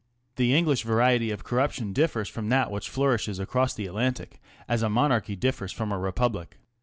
The English variety of corruption differs from that which flourishes across the Atlantic as a monarchy differs from a republic.